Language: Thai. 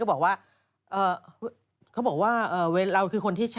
ก็บอกว่าครับผมว่าเราคือคนที่ใช่